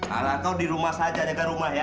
arah kau di rumah saja negar rumah ya